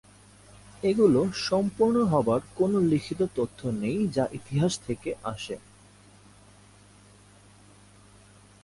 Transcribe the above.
এগুলো সম্পূর্ণ হবার কোন লিখিত তথ্য নেই যা ইতিহাসে থেকে থাকে।